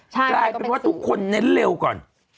กลายเป็นว่าทุกคนเน้นเร็วก่อน